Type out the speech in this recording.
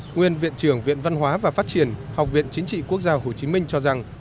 nguyên viện trưởng viện văn hóa và phát triển học viện chính trị quốc gia hồ chí minh cho rằng